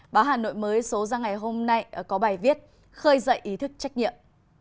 báo hà nội mới số ra ngày hôm nay có bài viết khơi dậy ý thức trách nhiệm